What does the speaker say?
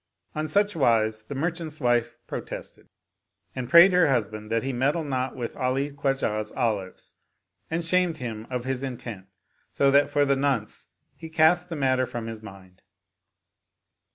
On such wise the merchant's wife protested and prayed her husband that he meddle not with Ali Khwajah's olives, and shamed him of his intent so that for the nonce he cast the matter from his mind.